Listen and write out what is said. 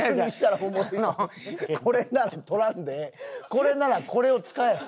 これならこれを使え。